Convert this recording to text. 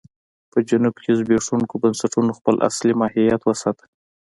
په جنوب کې زبېښونکو بنسټونو خپل اصلي ماهیت وساته.